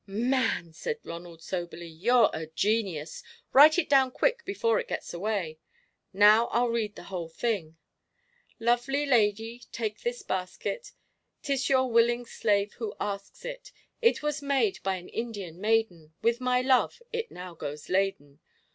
"Man," said Ronald, soberly, "you're a genius. Write it down quick before it gets away. Now I'll read the whole thing: "Lovely lady, take this basket; 'T is your willing slave who asks it. It was made by an Indian maiden With my love it now goes laden.